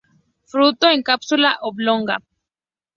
Fruto en cápsula oblonga.